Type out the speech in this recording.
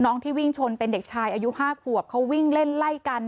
ที่วิ่งชนเป็นเด็กชายอายุ๕ขวบเขาวิ่งเล่นไล่กัน